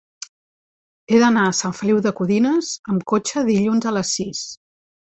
He d'anar a Sant Feliu de Codines amb cotxe dilluns a les sis.